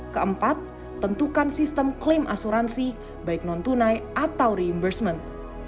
keempat tentukan sistem klaim asuransi baik non tunai atau reimbursement